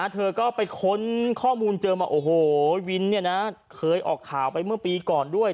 เธอก็ไปค้นข้อมูลเจอมาโอ้โหวินเคยออกข่าวไปเมื่อปีก่อนด้วย